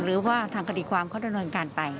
หรือว่าทางกดิขวามเขาด้วยนวันการไป